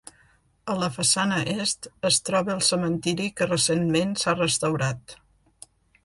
A la façana est, es troba el cementiri que recentment s'ha restaurat.